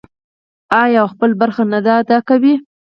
آیا او خپله برخه نه ادا کوي؟